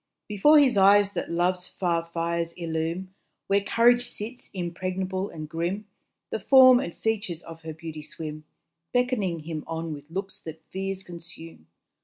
Before his eyes that love's far fires illume Where courage sits, impregnable and grim The form and features of her beauty swim, Beckoning him on with looks that fears consume.